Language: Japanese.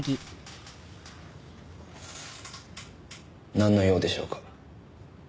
なんの用でしょうか？